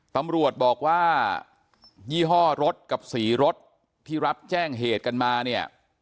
ตำรวจบอกว่ายี่ห้อรถกับสีรถที่รับแจ้งเหตุกันมาเนี่ย